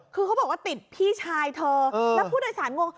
คือเขาบอกว่าติดพี่ชายเธอแล้วผู้โดยสารงง